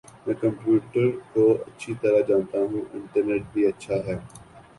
میں کمپیوٹرکو اچھی طرح جانتا ہوں انٹرنیٹ بھی اچھا ہے